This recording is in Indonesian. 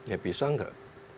ya bisa enggak